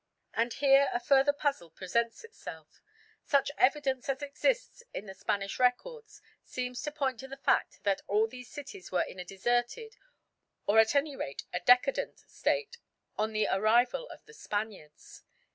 And here a further puzzle presents itself. Such evidence as exists in the Spanish records seems to point to the fact that all these cities were in a deserted, or at any rate a decadent, state on the arrival of the Spaniards.